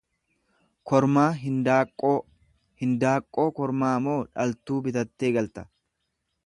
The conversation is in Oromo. kormaa hindaaqqoo; Hindaaqqoo kormaamoo dhal tuu bitee?